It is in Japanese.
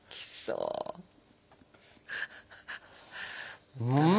うん！